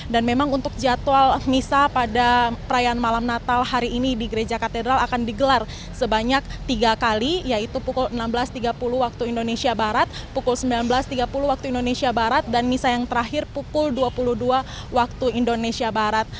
dan memang untuk jadwal misa pada perayaan malam natal hari ini di gereja katedral akan digelar sebanyak tiga kali yaitu pukul enam belas tiga puluh waktu indonesia barat pukul sembilan belas tiga puluh waktu indonesia barat dan misa yang terakhir pukul dua puluh dua waktu indonesia barat